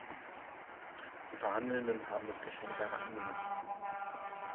Die Verhandelnden haben das Geschenk gerne angenommen.